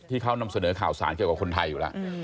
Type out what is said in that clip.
ที่เขานำเสนอข่าวสารเกี่ยวกับคนไทยอยู่แล้ว